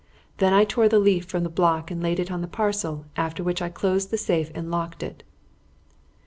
Then I tore the leaf from the block and laid it on the parcel, after which I closed the safe and locked it."